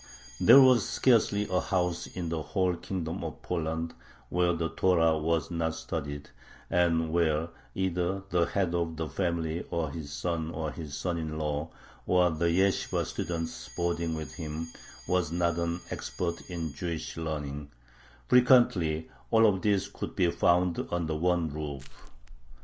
There was scarcely a house in the whole Kingdom of Poland where the Torah was not studied, and where either the head of the family or his son or his son in law, or the yeshibah student boarding with him, was not an expert in Jewish learning; frequently all of these could be found under one roof.